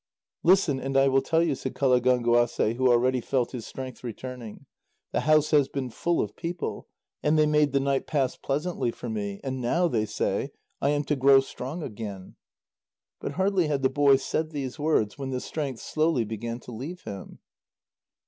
"Listen, and I will tell you," said Qalagánguasê, who already felt his strength returning. "The house has been full of people, and they made the night pass pleasantly for me, and now, they say, I am to grow strong again." But hardly had the boy said these words, when the strength slowly began to leave him.